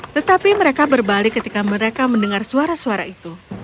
tetapi mereka berbalik ketika mereka mendengar suara suara itu